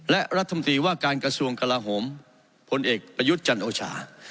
และรัฐมนตรีว่าการกระทรวงกลาโหมพลเอกประยุทธ์จันโอชา